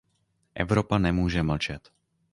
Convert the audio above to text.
Evropa nemůže mlčet.